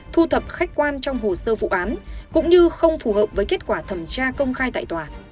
thu thập khách quan trong hồ sơ vụ án cũng như không phù hợp với kết quả thẩm tra công khai tại tòa